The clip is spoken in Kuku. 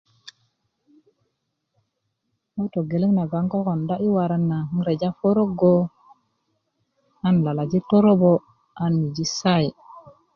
ŋo' togeleŋ nagoŋ nan kokon yi waran na nan reja poroggo ann lalaji' torobo' ann miji sayi'